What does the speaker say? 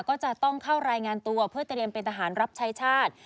ก็จะต้องเข้ารายงานตัวเพื่อเตรียมเป็นทหารรับใช้ชาติ